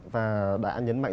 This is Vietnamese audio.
và đã nhấn mạnh